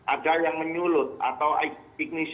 ada yang menyulut atau teknis